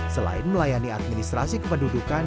selain melayani administrasi kependudukan